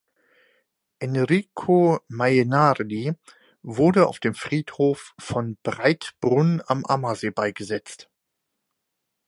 Enrico Mainardi wurde auf dem Friedhof von Breitbrunn am Ammersee beigesetzt.